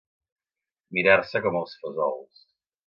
Mirar-se com els fesols.